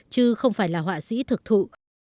chứ không phải là họa sĩ thực thụ